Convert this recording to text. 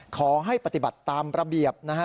ขอให้ปฏิบัติตามระเบียบนะฮะ